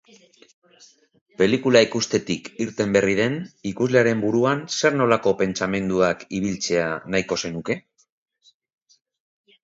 Pelikula ikustetik irten berri den ikuslearen buruan zer-nolako pentsamenduak ibiltzea nahiko zenuke?